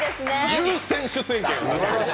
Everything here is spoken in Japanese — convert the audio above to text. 優先出演権を。